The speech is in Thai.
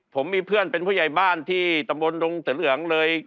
ผมมีเพื่อนเป็นผู้ใหญ่บ้านที่ตำบลดงเสือเหลืองเลย